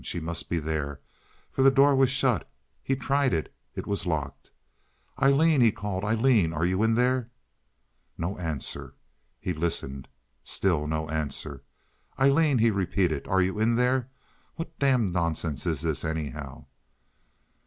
She must be there, for the door was shut. He tried it—it was locked. "Aileen," he called. "Aileen! Are you in there?" No answer. He listened. Still no answer. "Aileen!" he repeated. "Are you in there? What damned nonsense is this, anyhow?"